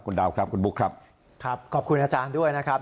ดาวครับคุณบุ๊คครับครับขอบคุณอาจารย์ด้วยนะครับ